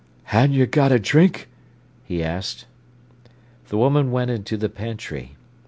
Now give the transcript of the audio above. "Han yer got a drink?" he asked. The woman went into the pantry.